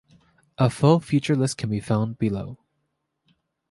A full feature list can be found below.